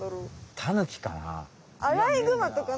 タヌキかな？